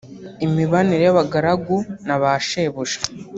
imibanire y’abagaraguna ba shebuja